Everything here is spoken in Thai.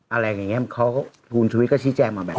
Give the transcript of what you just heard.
อะไรอย่างนี้เขากูลชีวิตก็ชี้แจกมาแบบนี้